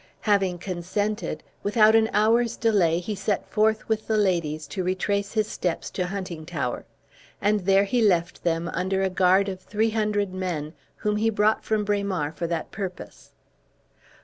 Having consented, without an hour's delay, he set forth with the ladies, to retrace his steps to Huntingtower; and there he left them, under a guard of three hundred men, whom he brought from Braemar for that purpose.